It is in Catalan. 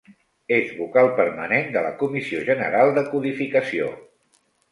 És Vocal permanent de la Comissió General de Codificació.